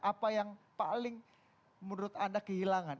apa yang paling menurut anda kehilangan